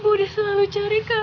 udah lama orang yang rakah